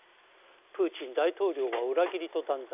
プーチン大統領は、裏切りと断罪。